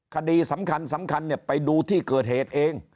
คดีสำคัญสำคัญไปดูที่เกิดเหตุเอง